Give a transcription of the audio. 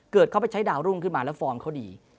เข้าไปใช้ดาวรุ่งขึ้นมาแล้วฟอร์มเขาดี